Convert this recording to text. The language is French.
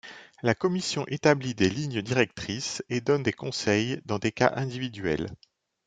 La Commission établit des lignes directrices et donne des conseils dans des cas individuels.